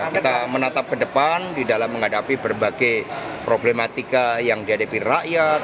kita menatap ke depan di dalam menghadapi berbagai problematika yang dihadapi rakyat